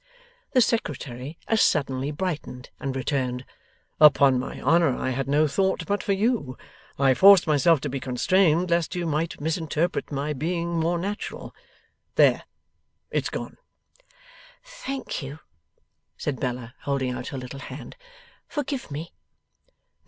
The Secretary as suddenly brightened, and returned: 'Upon my honour I had no thought but for you. I forced myself to be constrained, lest you might misinterpret my being more natural. There. It's gone.' 'Thank you,' said Bella, holding out her little hand. 'Forgive me.